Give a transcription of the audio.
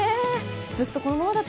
ずっとこのままだと